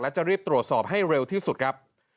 จะรีบตรวจสอบให้เร็วที่สุดครับ